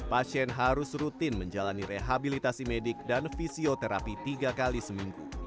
pasien harus rutin menjalani rehabilitasi medik dan fisioterapi tiga kali seminggu